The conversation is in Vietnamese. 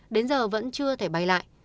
đến giờ vẫn chưa thể bay lại